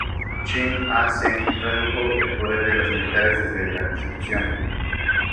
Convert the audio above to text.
Chin A Sen redujo el poder de los militares desde la constitución.